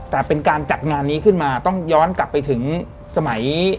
แต่เป็นการจัดงานนี้ขึ้นมาต้องย้อนกลับไปถึงสมัย